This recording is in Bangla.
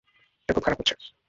এটা খুব খারাপ হচ্ছে।